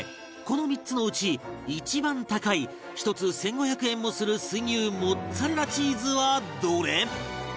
この３つのうち一番高い１つ１５００円もする水牛モッツァレラチーズはどれ？